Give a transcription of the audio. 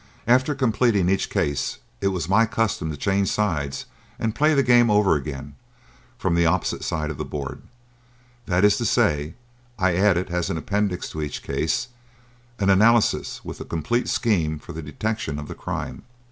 After completing each case, it was my custom to change sides and play the game over again from the opposite side of the board; that is to say, I added, as an appendix to each case, an analysis with a complete scheme for the detection of the crime.